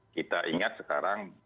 kita ingat sekarang